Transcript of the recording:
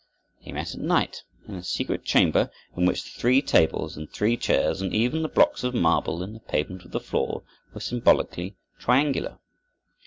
They met at night, in a secret chamber, in which the three tables and three chairs, and even the blocks of marble in the pavement of the floor were symbolically triangular.